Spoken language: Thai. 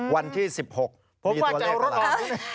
วันที่๑๖มีตัวเลขอะไร